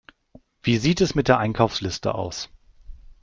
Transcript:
Wie sieht es mit der Einkaufsliste aus?